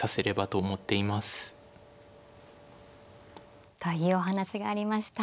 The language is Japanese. というお話がありました。